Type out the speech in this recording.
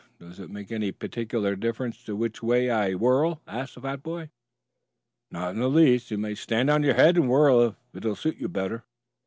"Does it make any particular difference to you which way I whirl?" asked the fat boy. "Not in the least. You may stand on your head and whirl if it will suit you better."